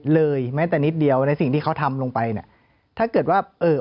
เลยแม้แต่นิดเดียวในสิ่งที่เขาทำลงไปเนี่ยถ้าเกิดว่าเอ่อ